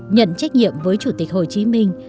nhận trách nhiệm với chủ tịch hồ chí minh